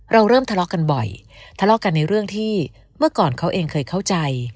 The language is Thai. เราเริ่มทะเลาะกันบ่อยทะเลาะกันในเรื่องที่เมื่อก่อนเขาเองเคยเข้าใจ